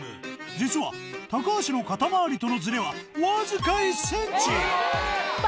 実は高橋の肩回りとのズレはわずか１ｃｍ！